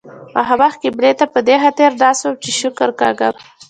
مخامخ قبلې ته په دې خاطر ناست وم چې شکر کاږم.